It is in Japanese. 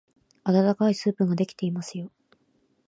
あたたかいスープができていますよ。